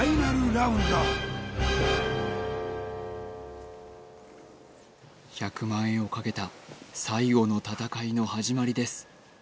ラウンド１００万円をかけた最後の戦いの始まりです